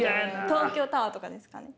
東京タワーとかですかね？